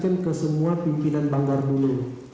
sayang ke semua pimpinan banggar dulu